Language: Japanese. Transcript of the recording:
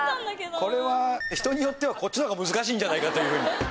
これは人によってはこっちの方が難しいんじゃないかというふうに。